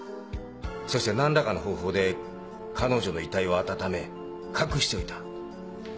そしてなんらかの方法で彼女の遺体を温め隠しておいた。